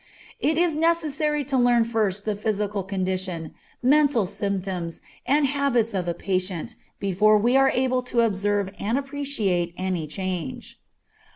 It is necessary to learn first the physical condition, mental symptoms, and habits of a patient, before we are able to observe and appreciate any change.